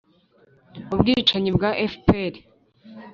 ubwicanyi bwa fpr,